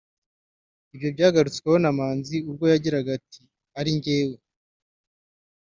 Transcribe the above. Ibyo byagarutsweho na Manzi ubwo yagiraga ati “ari njyewe